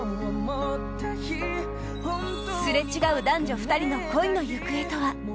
すれ違う男女２人の恋の行方とは？